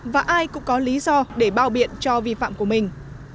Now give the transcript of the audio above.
và ai cũng có lý do để bao biện cho vi phạm của mình